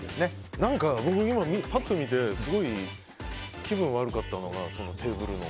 今、パッと見てすごく気分が悪かったのがテーブルの。